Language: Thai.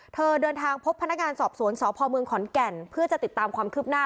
เธอเดินทางพบพนักงานสอบสวนสพเมืองขอนแก่นเพื่อจะติดตามความคืบหน้า